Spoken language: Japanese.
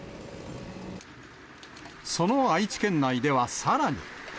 その愛知県内ではさらに。